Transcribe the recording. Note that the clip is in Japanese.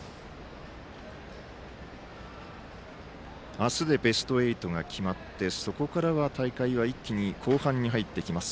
明日でベスト８が決まってそこからは大会は一気に後半に入ってきます。